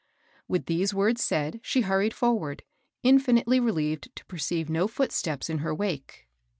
With these words said, she hurried forward, in 1 THE AID SOCIETY. 879 finitely relieved to perceive no footsteps in her wake.